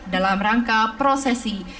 dalam rangka prosesi